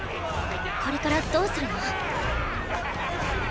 これからどーするの？